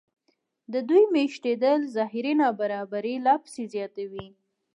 د دوی مېشتېدل ظاهري نابرابري لا پسې زیاتوي